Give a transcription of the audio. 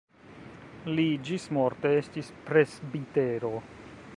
Li ĝismorte estis presbitero.